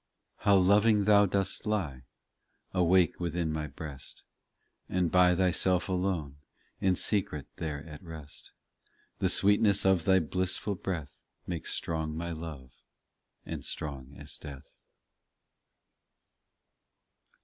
How loving Thou dost lie Awake within my breast, And by Thyself alone, In secret there at rest. The sweetness of Thy blissful breath Makes strong my love ; and strong as death.